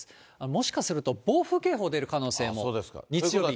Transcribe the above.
もしかすると、暴風警報出る可能性も、日曜日。